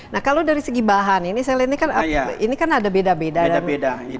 nah kalau dari segi bahan ini saya lihat ini kan ada beda beda